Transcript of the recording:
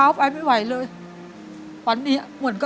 แล้วตอนนี้พี่พากลับไปในสามีออกจากโรงพยาบาลแล้วแล้วตอนนี้จะมาถ่ายรายการ